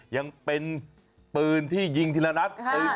ยังเป็นปืนที่ยิงทีละนัด